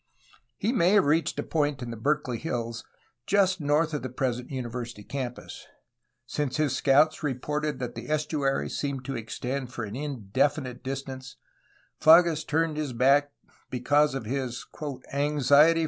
He may have reached a point in the Berkeley hills just north of the present university campus. Since his scouts reported that the estuary seemed to extend for an indefinite distance, Fages turned back because of his "anxiety